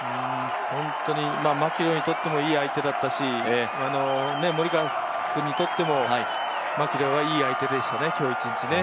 本当にマキロイにとってもいい相手だったしモリカワ君にとってもマキロイはいい相手でしたね、今日一日ね。